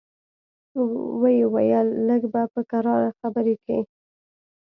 ويې ويل لږ به په کراره خبرې کيې.